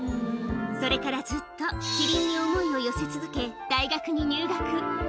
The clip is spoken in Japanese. それからずっとキリンに思いを寄せ続け、大学に入学。